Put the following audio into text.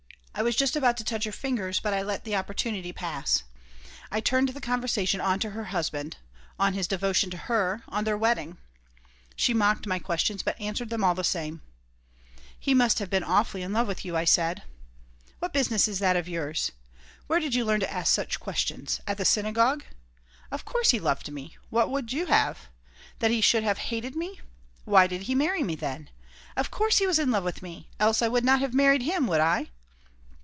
I was just about to touch her fingers, but I let the opportunity pass. I turned the conversation on her husband, on his devotion to her, on their wedding. She mocked my questions, but answered them all the same "He must have been awfully in love with you," I said "What business is that of yours? Where did you learn to ask such questions? At the synagogue? Of course he loved me! What would you have? That he should have hated me? Why did he marry me, then? Of course he was in love with me! Else I would not have married him, would I?